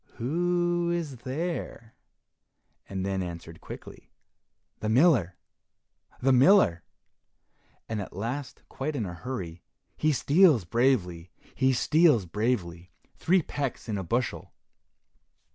Who is there?" and then answered quickly, "The miller! the miller!" and at last quite in a hurry, "He steals bravely! he steals bravely! three pecks in a bushel."